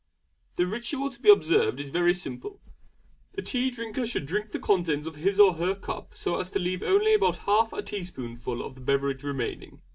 The ritual to be observed is very simple. The tea drinker should drink the contents of his or her cup so as to leave only about half a teaspoonful of the beverage remaining.